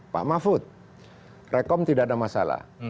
pak mahfud rekom tidak ada masalah